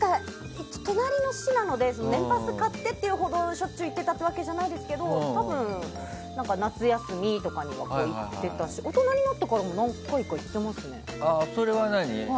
隣の市なので年パスを買ってというほどしょっちゅう行ってたわけじゃないですけど多分、夏休みとかには行ってたし大人になってからも何回か行ってますね。